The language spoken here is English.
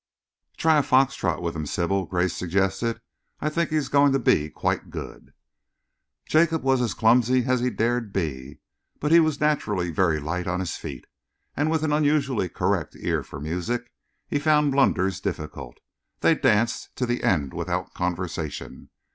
"Try a fox trot with him, Sybil," Grace suggested. "I think he is going to be quite good." Jacob was as clumsy as he dared be, but he was naturally very light on his feet, and, with an unusually correct ear for music, he found blunders difficult. They danced to the end without conversation.